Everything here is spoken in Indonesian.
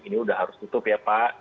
ini sudah harus tutup ya pak